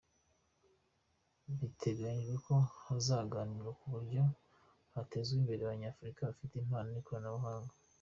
Biteganyijwe ko hazaganirwa ku buryo hatezwa imbere abanyafurika bafite impano mu ikoranabuhanga.